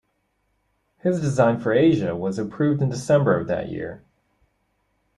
His design for "Asia" was approved in December of that year.